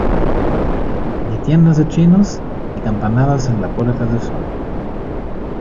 ni tiendas de chinos, ni campanadas en la Puerta del Sol